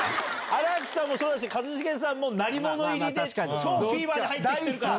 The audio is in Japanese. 荒木さんもそうだし一茂さんも鳴り物入りで超フィーバーで入ってきてるから。